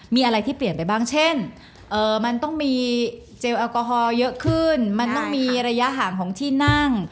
มีอะไรที่เปลี่ยนไปบ้างเช่นมันต้องมีเจลแอลกอฮอลเยอะขึ้นมันต้องมีระยะห่างของที่นั่ง